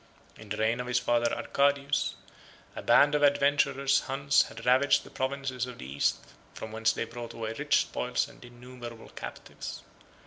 In the reign of his father Arcadius, a band of adventurous Huns had ravaged the provinces of the East; from whence they brought away rich spoils and innumerable captives.